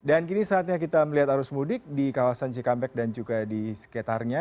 dan kini saatnya kita melihat arus mudik di kawasan cikampek dan juga di sekitarnya